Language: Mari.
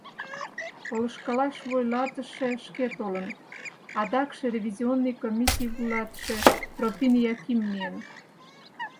Полышкалаш вуйлатыше шке толын, адакше ревизионный комиссий вуйлатыше Тропин Яким миен.